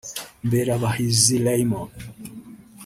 Mberabahizi Raymond